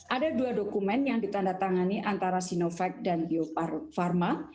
ada dua dokumen yang ditandatangani antara sinovac dan bio farma